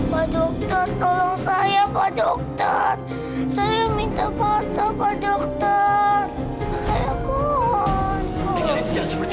pak dokter tolong saya pak dokter